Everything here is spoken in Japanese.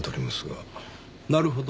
なるほど。